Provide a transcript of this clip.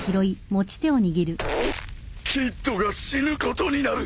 キッドが死ぬことになる。